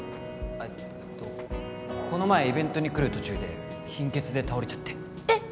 えっとこの前イベントに来る途中で貧血で倒れちゃってえっ！